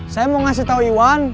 saya mau ngasih tahu iwan